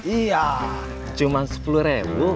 iya cuma sepuluh rebu